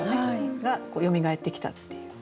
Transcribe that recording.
がよみがえってきたっていう。